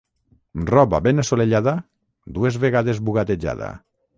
Roba ben assolellada, dues vegades bugadejada.